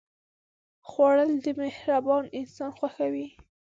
خوړل د مهربان انسان خوښه وي